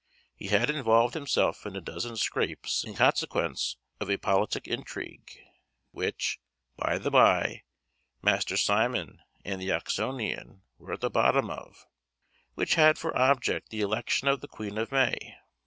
He had involved himself in a dozen scrapes in consequence of a politic intrigue, which, by the by, Master Simon and the Oxonian were at the bottom of, which had for object the election of the Queen of May.